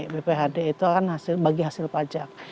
bphd itu kan bagi hasil pajak